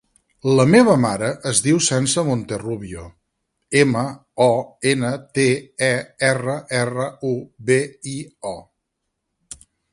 La meva mare es diu Sança Monterrubio: ema, o, ena, te, e, erra, erra, u, be, i, o.